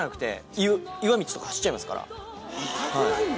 痛くないんだ。